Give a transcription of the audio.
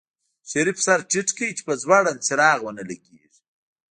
شريف سر ټيټ کړ چې په ځوړند څراغ ونه لګېږي.